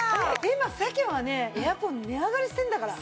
今世間はねエアコン値上がりしてるんだから。